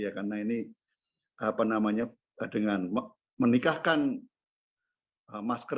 karena ini apa namanya dengan menikahkan masker